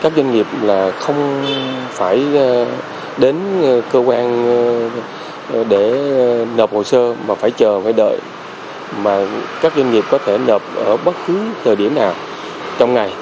các doanh nghiệp là không phải đến cơ quan để nộp hồ sơ mà phải chờ phải đợi mà các doanh nghiệp có thể nợp ở bất cứ thời điểm nào trong ngày